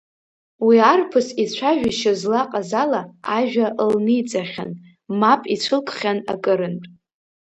Уи арԥыс, ицәажәашьа злаҟаз ала, ажәа лниҵахьан, мап ицәылкхьан акырынтә.